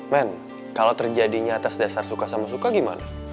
men kalau terjadinya atas dasar suka sama suka gimana